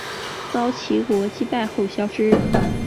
遭齐国击败后消失。